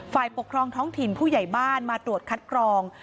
ฝ่ายปกครองท้องถิ่นผู้ใหญ่บ้านมาตรวจคัดกรอง